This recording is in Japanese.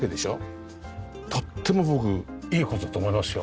とっても僕いい事だと思いますよ。